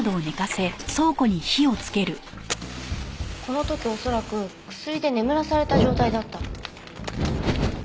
この時恐らく薬で眠らされた状態だった。